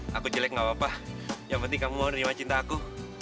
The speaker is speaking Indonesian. aku jelek gak apa apa yang penting kamu mau terima cinta aku